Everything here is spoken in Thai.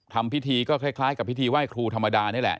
ทำพิธีก็คล้ายกับพิธีไหว้ครูธรรมดานี่แหละ